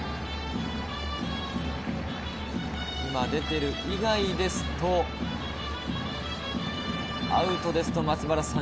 今、出ている以外ですと、アウトだと松原さん